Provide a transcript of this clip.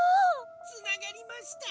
「つながりました！」。